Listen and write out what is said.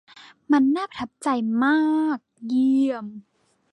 มันน่าประทับใจมาก เยี่ยม